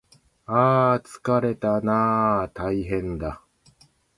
ああああつかれたなああああたいへんだ